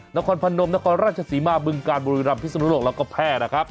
นครพนมนครราชศรีมาบึงการบุรีรำพิศนุโลกแล้วก็แพร่นะครับ